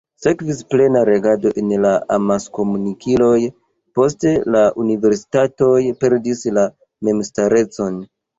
Sekvis plena regado en la amaskomunikiloj, poste la universitatoj perdis la memstarecon.